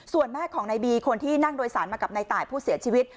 ส่วนแม่ของนายบีคนที่นั่งโดยสารมากับนายตายผู้เสียชีวิต